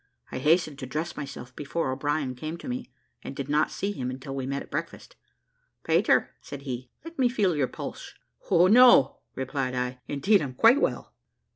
I hastened to dress myself before O'Brien came to me, and did not see him until we met at breakfast. "Pater," said he, "let me feel your pulse." "O no!" replied I, "indeed I'm quite well."